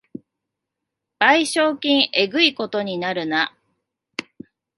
賠償金えぐいことになるな